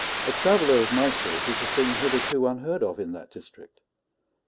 A traveller of my sort was a thing hitherto unheard of in that district.